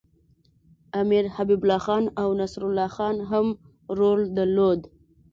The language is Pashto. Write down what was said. امیر حبیب الله خان او نصرالله خان هم رول درلود.